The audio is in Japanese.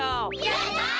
やった！